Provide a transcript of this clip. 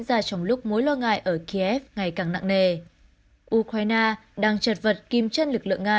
ra trong lúc mối lo ngại ở kiev ngày càng nặng nề ukraine đang trật vật kim chân lực lượng nga